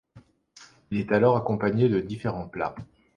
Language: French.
Il est alors accompagné de différents plats.